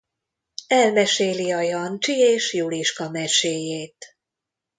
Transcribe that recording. Elmeséli a Jancsi és Juliska meséjét.